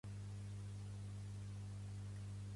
En la genealogia la idea principal és la de progenitor.